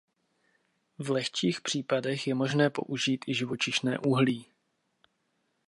V lehčích případech je možné použít i živočišné uhlí.